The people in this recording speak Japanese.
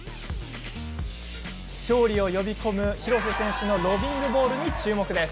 勝利を呼び込む廣瀬選手のロビングボールに注目です。